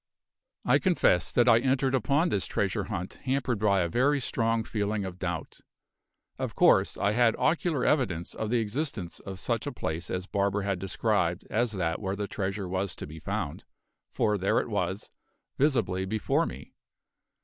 I confess that I entered upon this treasure hunt hampered by a very strong feeling of doubt. Of course I had ocular evidence of the existence of such a place as Barber had described as that where the treasure was to be found, for there it was, visibly before me.